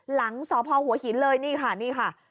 หลังสพหัวหินเลยนี่ค่ะนี่ค่ะ